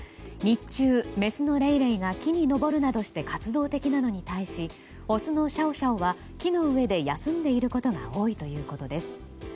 日中、メスのレイレイが木に登るなどして活動的なのに対しオスのシャオシャオは木の上で休んでいることが多いということです。